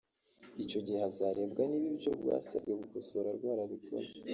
Icyo gihe hazarebwa niba ibyo rwasabwe gukosora rwarabikoze